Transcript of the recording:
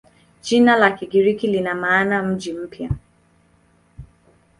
Jina la Kigiriki lina maana ya "mji mpya".